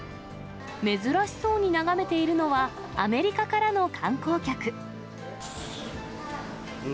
珍しそうに眺めているのは、アメリカからの観光客。